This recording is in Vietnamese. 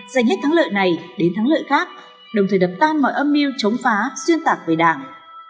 dành hết thắng lợi này đến thắng lợi khác đồng thời đập tan mọi âm mưu chống phá xuyên tạc về đảng